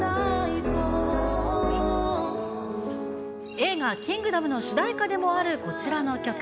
映画、キングダムの主題歌でもあるこちらの曲。